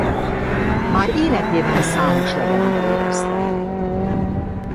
Már életében számos legenda övezte.